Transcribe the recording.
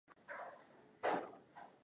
Jonna hupata hasira akikosa pesa